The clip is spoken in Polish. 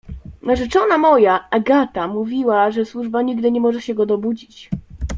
"Narzeczona moja, Agata, mówiła mi, że służba nigdy nie może się go dobudzić."